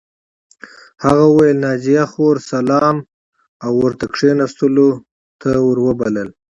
هغه وویل ناجیه خور سلام او ورته کښېناستلو ته ور وبلله